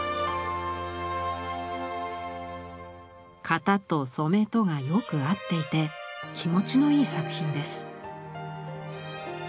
「型と染とがよく合っていて気持ちのいゝ作品です」。